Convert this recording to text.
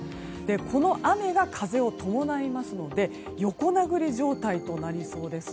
この雨、風を伴いますので横殴り状態となりそうです。